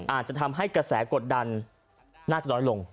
อาจจะทำให้กระแสกดดันน่าจะน้อยลง